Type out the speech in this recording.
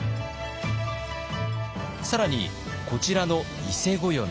更にこちらの伊勢暦。